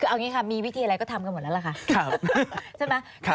เอาอย่างนี้มีวิธีอะไรก็ทำกันหมดแล้วล่ะค่ะ